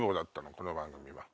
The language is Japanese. この番組は。